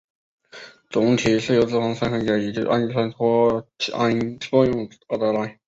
酮体是由脂肪酸分解以及氨基酸脱氨作用而得来。